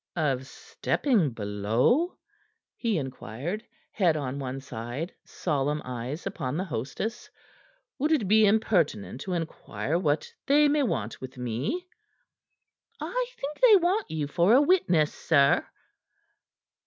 "Of stepping below?" he inquired, head on one side, solemn eyes upon the hostess. "Would it be impertinent to inquire what they may want with me?" "I think they want you for a witness, sir."